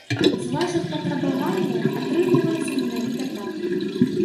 З вашых патрабаванняў атрымліваецца менавіта так.